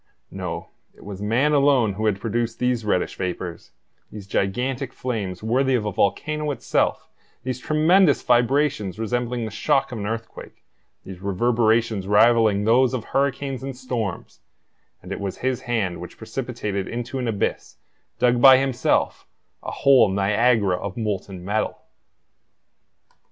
No, it was man alone who had produced these reddish vapors, these gigantic flames worthy of a volcano itself, these tremendous vibrations resembling the shock of an earthquake, these reverberations rivaling those of hurricanes and storms; and it was his hand which precipitated into an abyss, dug by himself, a whole Niagara of molten metal!